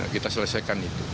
kita selesaikan itu